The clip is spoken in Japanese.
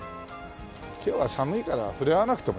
今日は寒いから触れ合わなくてもいいか。